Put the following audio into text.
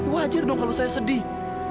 wajar dong kalau saya sedih